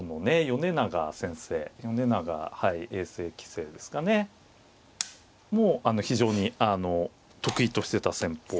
米長先生米長永世棋聖ですかねも非常に得意としてた戦法。